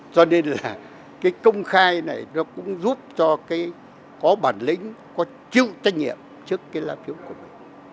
cho nên là cái công khai này nó cũng giúp cho có bản lĩnh có chiêu trách nhiệm trước cái bỏ phiếu của mình